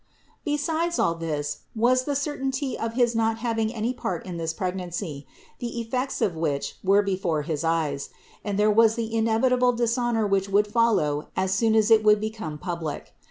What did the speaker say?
Besides all this was the certainty of his not having any part in this pregnancy, the effects of which were before his eyes; and there was the inevitable dishonor which would follow as soon as it would become public.